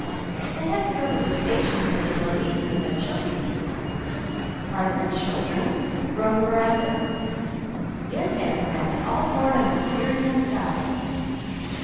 "They had to go to the station for their valise and their children." "Are there children?" groaned Miranda. "Yes, aunt Miranda, all born under Syrian skies."